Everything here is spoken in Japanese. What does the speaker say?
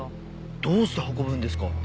どうして運ぶんですか？